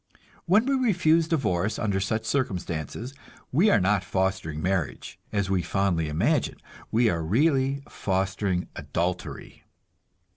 When we refuse divorce under such circumstances we are not fostering marriage, as we fondly imagine; we are really fostering adultery.